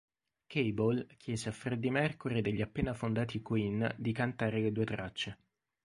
Cable chiese a Freddie Mercury degli appena fondati Queen di cantare le due tracce.